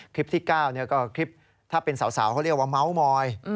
คลิปที่๙ก็คลิปถ้าเป็นสาวเขาเรียกว่าเมาส์มอย